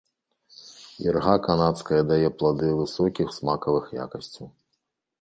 Ірга канадская дае плады высокіх смакавых якасцяў.